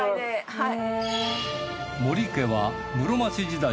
はい。